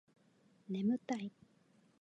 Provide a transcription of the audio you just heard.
眠たい